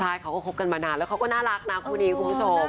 ใช่เขาก็คบกันมานานแล้วเขาก็น่ารักนะคู่นี้คุณผู้ชม